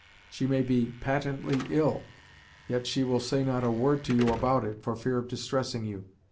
She may be patently ill, yet she will say not a word to you about it, for fear of distressing you.